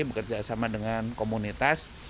bekerja sama dengan komunitas